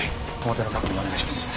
表の確認をお願いします。